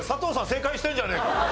正解してるじゃねえか。